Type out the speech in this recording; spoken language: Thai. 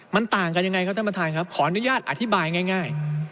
มันต่างกันยังไงครับท่านประธานครับขออนุญาตอธิบายง่าย